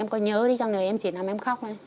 em có nhớ đi trong đời em chỉ là em khóc thôi